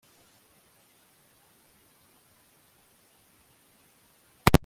Nta nyenyeri yagombaga kuboneka muri iryo joro